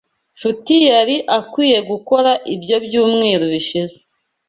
Nshuti yari akwiye gukora ibyo byumweru bishize.